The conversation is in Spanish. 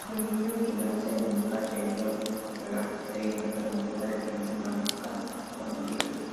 Dominio quinasa: única región de la proteína con actividad enzimática conocida.